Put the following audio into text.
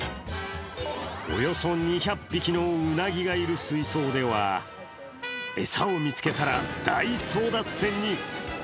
およそ２００匹のウナギがいる水槽では餌を見つけたら大争奪戦に。